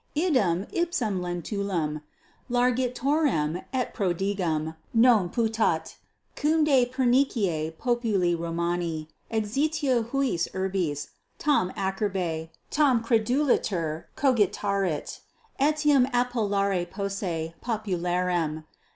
Idem ipsum Lentulum, largitorem et prodigum, non putat, cum de pernicie populi Romani, exitio huius urbis, tam acerbe, tam crudeliter cogitarit, etiam appellari posse popularem.